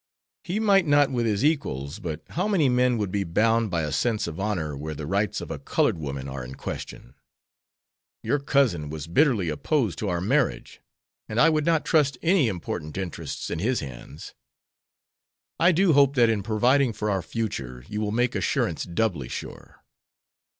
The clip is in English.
"He might not with his equals. But how many men would be bound by a sense of honor where the rights of a colored woman are in question? Your cousin was bitterly opposed to our marriage, and I would not trust any important interests in his hands. I do hope that in providing for our future you will make assurance doubly sure."